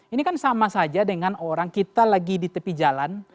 ini kan sama saja dengan orang kita lagi di tepi jalan